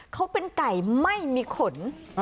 เขาเป็นไก่ไม่มีขน